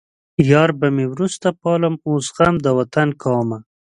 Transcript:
يار به مې وروسته پالم اوس غم د وطن کومه